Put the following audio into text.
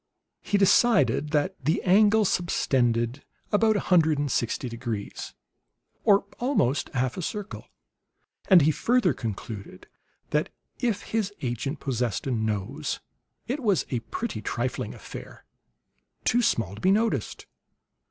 He decided that the angle subtended about a hundred and sixty degrees, or almost half a circle; and he further concluded that if his agent possessed a nose, it was a pretty trifling affair, too small to be noticed.